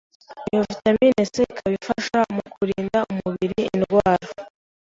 iyo Vitamine C ikaba ifasha mu kurinda umubiri indwara